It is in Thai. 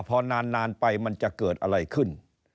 รู้ว่าพอนานนานไปมันจะเกิดอะไรขึ้น